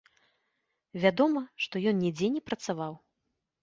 Вядома, што ён нідзе не працаваў.